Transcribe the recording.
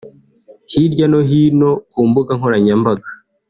Hirya no hino ku mbuga nkoranyambaga